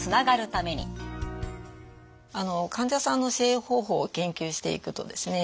患者さんの支援方法を研究していくとですね